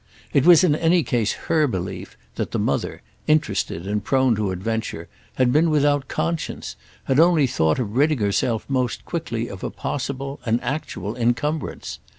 It was in any case her belief that the mother, interested and prone to adventure, had been without conscience, had only thought of ridding herself most quickly of a possible, an actual encumbrance.